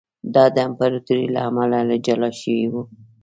دا د امپراتورۍ له امله له جلا شوی و